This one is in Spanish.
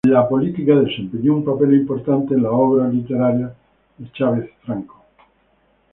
La política desempeñó un papel importante en la obra literaria de Chavez Franco.